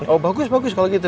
oh bagus bagus kalau gitu